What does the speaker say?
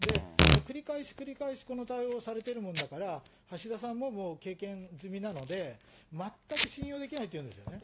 繰り返し繰り返し、この対応をされてるもんだから、橋田さんももう、経験済みなので、全く信用できないっていうんですよね。